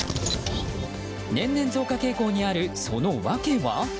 年々増加傾向にあるその訳は？